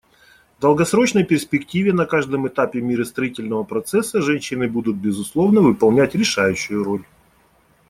В долгосрочной перспективе на каждом этапе миростроительного процесса женщины будут, безусловно, выполнять решающую роль.